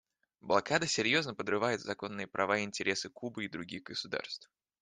Блокада серьезно подрывает законные права и интересы Кубы и других государств.